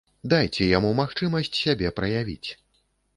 Дайце яму магчымасць сябе праявіць.